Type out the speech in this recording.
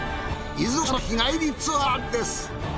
伊豆大島の日帰りツアーです。